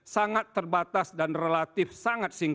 sangat terbatas dan relatif sangat singkat